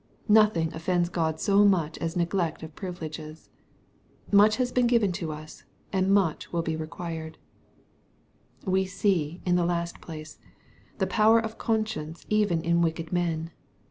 Nothing ofifends God so much t as neglect of privileges. Much has been given to us, j and much will be required. We see, in the last place, the power of conscience even in wicked men.